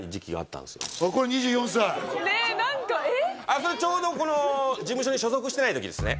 ねえ何かちょうど事務所に所属してない時ですね